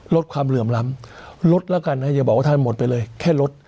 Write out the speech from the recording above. ลดความเหลื่อมล้ำลดแล้วกันนะอย่าบอกว่าท่านหมดไปเลยแค่ลด